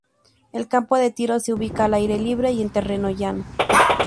El campo de tiro se ubica al aire libre y en terreno llano.